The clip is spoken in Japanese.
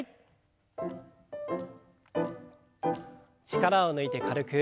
力を抜いて軽く。